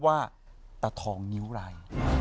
ว่าตะทองนิ้วราย